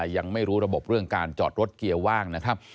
ยังไม่รู้ระบบเรื่องการจอดรถเกียร์ว่างนะครับ